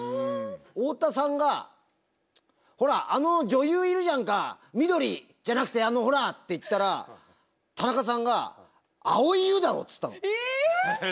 太田さんが「ほらあの女優いるじゃんか緑じゃなくてあのほら」って言ったら田中さんが「蒼井優だろ！」つったの。え！？